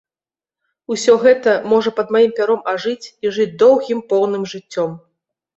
Усё гэта можа пад маім пяром ажыць і жыць доўгім поўным жыццём.